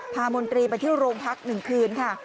พามนตรีไปที่โรงพักนึงคืนค่ะ